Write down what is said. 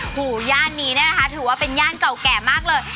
หูย่านนี้เนี่ยนะคะถือว่าเป็นย่านเก่าแก่มากเลย